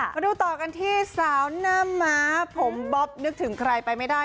มาดูต่อกันที่สาวหน้าม้าผมบ๊อบนึกถึงใครไปไม่ได้